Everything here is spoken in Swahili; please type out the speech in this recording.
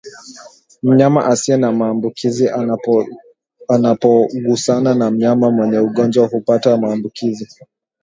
Mnyama asiye na maambukizi anapogusana na mnyama mwenye ugonjwa hupata maambuziki